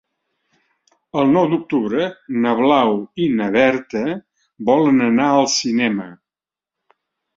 El nou d'octubre na Blau i na Berta volen anar al cinema.